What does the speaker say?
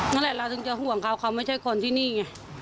นั่นแหละเราถึงจะห่วงเขาเขาไม่ใช่คนที่นี่ไง